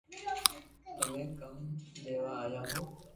تمي ڪاؤ ليوا آيا ھون